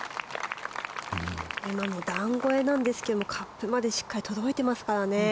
今も段越えなんですがカップまでしっかり届いてますからね。